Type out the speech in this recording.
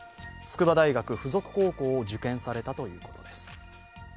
筑波大学附属高校を受験されたということです。